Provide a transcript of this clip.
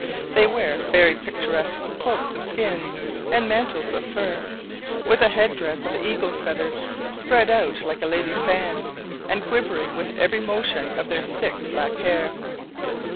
They wear very picturesque cloaks of skins and mantles of fur, with a head dress of eagle's feathers spread out like a lady's fan, and quivering with every motion of their thick black hair.